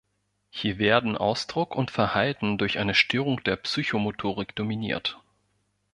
Hier werden Ausdruck und Verhalten durch eine Störung der Psychomotorik dominiert.